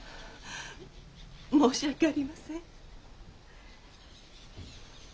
申し訳ありません。